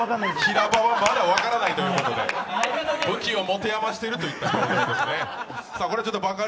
平場はまだ分からないということで、武器を持て余してるといった状況ですね。